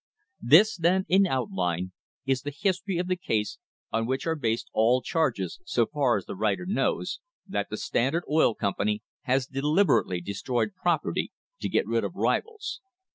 This, then, in outline, is the history of the case on which are based all charges, so far as the writer knows, that the THE HISTORY OF THE STANDARD OIL COMPANY Standard Oil Company has deliberately destroyed property to get rid of rivals.